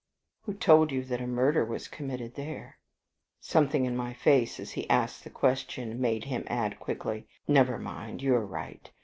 "Who told you that a murder was committed there?" Something in my face as he asked the question made him add quickly, "Never mind. You are right.